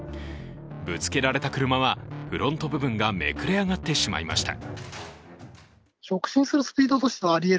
ぶつけられた車はフロント部分がめくれ上がってしまいました。